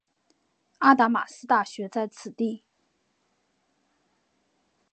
阿达玛斯大学在此地。